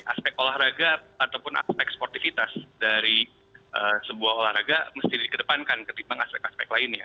aspek olahraga ataupun aspek sportivitas dari sebuah olahraga mesti dikedepankan ketimbang aspek aspek lainnya